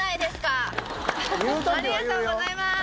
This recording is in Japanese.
ありがとうございます。